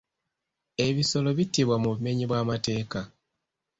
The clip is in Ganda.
Ebisolo bittibwa mu bumenyi bw'amateeka.